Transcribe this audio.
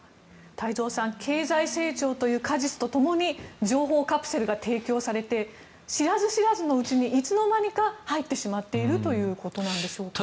太蔵さん経済成長という果実とともに情報カプセルが提供されて知らず知らずのうちにいつの間にか入ってしまっているということでしょうか？